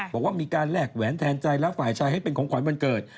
บอกว่ามีการแลกแหวนแทนใจและฝ่ายชายให้เป็นของขวัญวันเกิด